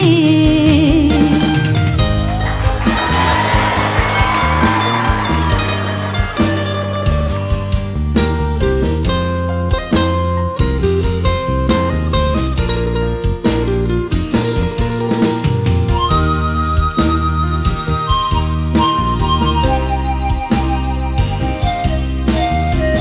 เพลง